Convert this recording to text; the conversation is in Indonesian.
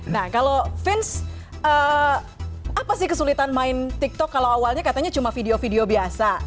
nah kalau vince apa sih kesulitan main tiktok kalau awalnya katanya cuma video video biasa